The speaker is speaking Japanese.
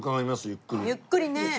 ゆっくりね。